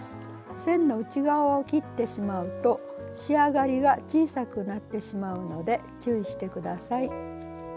線の内側を切ってしまうと仕上がりが小さくなってしまうので注意して下さい。